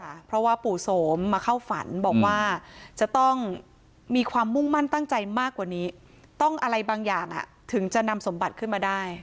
เพราะว่าปู่โสมมาเข้าฝันบอกว่าจะต้องมีความมุ่งมั่นตั้งใจมากกว่านี้ต้องอะไรบางอย่างถึงจะนำสมบัติขึ้นมาได้